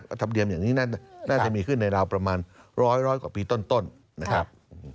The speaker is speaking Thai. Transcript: ธรรมเนียมอย่างนี้น่าจะมีขึ้นในราวประมาณร้อยกว่าปีต้นนะครับ